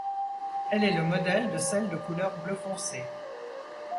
Elle est le modèle de celles de couleur bleu foncé.